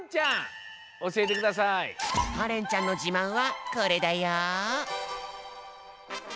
かれんちゃんのじまんはこれだよ。